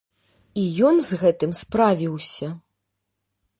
І ён з гэтым справіўся.